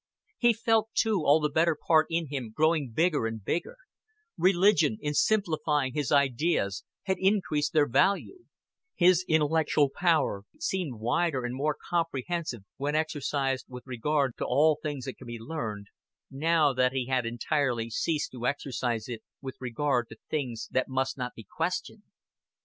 He felt too all the better part in him growing bigger and bigger; religion, in simplifying his ideas, had increased their value; his intellectual power seemed wider and more comprehensive when exercised with regard to all things that can be learned, now that he had entirely ceased to exercise it with regard to things that must not be questioned.